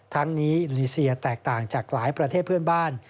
ทั้งนี้อินโดนีเซียแตกต่างจากหลายประเทศเพื่อนบ้าน